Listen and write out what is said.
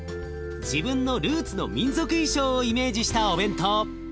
自分のルーツの民族衣装をイメージしたお弁当。